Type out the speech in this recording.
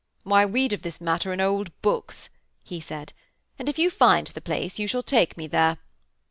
'Why, read of this matter in old books,' he said, 'and if you find the place you shall take me there.'